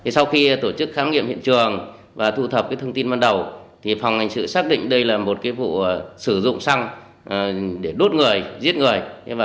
sau khi tổ chức khám nghiệm hiện trường và thu thập thông tin ban đầu phòng hành sự xác định đây là một vụ sử dụng xăng để đốt người giết người